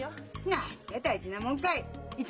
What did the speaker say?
なにが大事なもんがい！